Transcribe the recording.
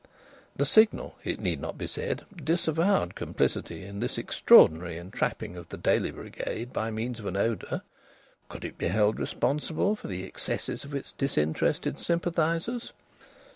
The Signal, it need not be said, disavowed complicity in this extraordinary entrapping of the Daily brigade by means of an odour. Could it be held responsible for the excesses of its disinterested sympathisers?...